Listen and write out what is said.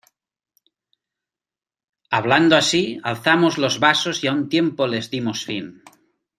hablando así, alzamos los vasos y a un tiempo les dimos fin.